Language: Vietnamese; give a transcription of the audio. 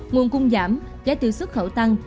nguồn cung giảm giá tiêu xuất khẩu tăng